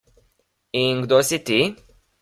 In kdo si ti?